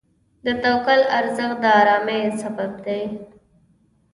د توکل ارزښت د آرامۍ سبب دی.